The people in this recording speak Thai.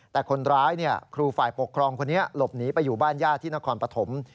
แต่คนร้ายครูฝ่ายปกครองคนนี้หลบหนีไปอยู่บ้านญาติที่นครปฐม